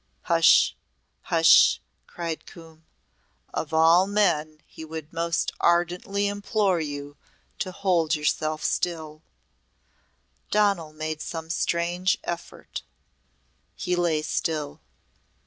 "Hush! hush!" cried Coombe. "Of all men he would most ardently implore you to hold yourself still " Donal made some strange effort. He lay still.